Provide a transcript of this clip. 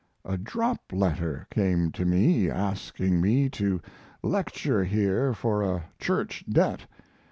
A drop letter came to me asking me to lecture here for a church debt.